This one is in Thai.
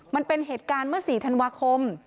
มันเป็นเหตุการณ์เมื่อ๔ธันวาคม